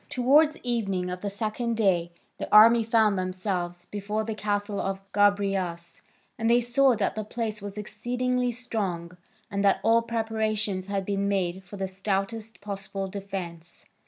Towards evening of the second day the army found themselves before the castle of Gobryas, and they saw that the place was exceedingly strong and that all preparations had been made for the stoutest possible defence.